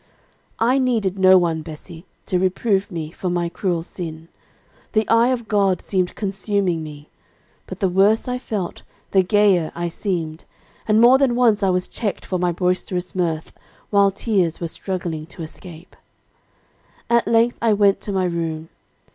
"I needed no one, Bessie, to reprove me for my cruel sin. The eye of God seemed consuming me. But the worse I felt, the gayer I seemed; and more than once I was checked for my boisterous mirth, while tears were struggling to escape. "At length I went to my room.